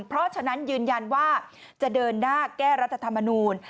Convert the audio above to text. เพราะฉะนั้นยืนยันว่าจะเดินหน้าแก้รัฐธรรมนูล